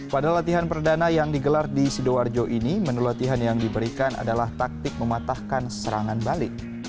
pada latihan perdana yang digelar di sidoarjo ini menu latihan yang diberikan adalah taktik mematahkan serangan balik